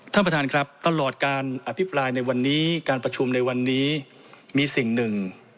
ท่านประธานครับตลอดการอภิปรายในวันนี้การประชุมในวันนี้มีสิ่งหนึ่ง